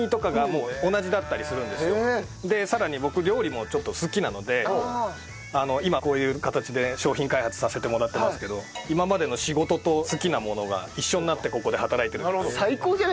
でさらに僕料理もちょっと好きなので今こういう形で商品開発させてもらってますけど今までの仕事と好きなものが一緒になってここで働いてる。